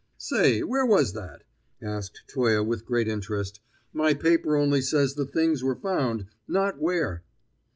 "Say, where was that?" asked Toye with great interest. "My paper only says the things were found, not where."